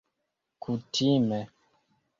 kutime